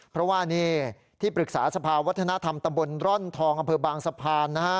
เพราะว่านี่ที่ปรึกษาสภาวัฒนธรรมตำบลร่อนทองอำเภอบางสะพานนะฮะ